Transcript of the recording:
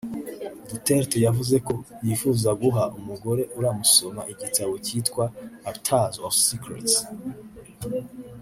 Duterte yavuze ko yifuza guha umugore uramusoma igitabo cyitwa “Altars of Secrets